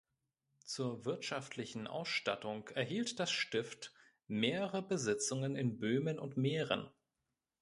Zur wirtschaftlichen Ausstattung erhielt das Stift mehrere Besitzungen in Böhmen und Mähren.